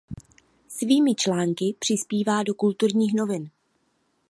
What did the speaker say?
Svými články přispívá do Kulturních novin.